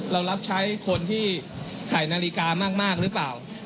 เรารับใช้คนที่ใส่นาฬิกามากหรือเปล่า